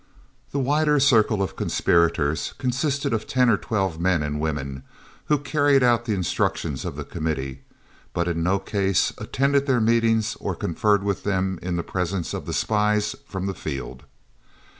The wider circle of conspirators consisted of ten or twelve men and women, who carried out the instructions of the Committee, but in no case attended their meetings or conferred with them in the presence of the spies from the field.